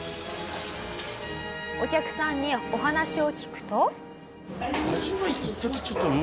お客さんにお話を聞くと。